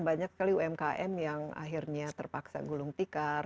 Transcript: banyak sekali umkm yang akhirnya terpaksa gulung tikar